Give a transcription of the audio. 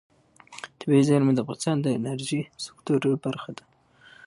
طبیعي زیرمې د افغانستان د انرژۍ سکتور برخه ده.